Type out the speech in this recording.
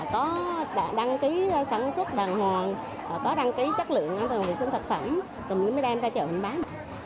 có đăng ký sản xuất đàng hoàng có đăng ký chất lượng an toàn vệ sinh thực phẩm rồi mình mới đem ra chợ hành bán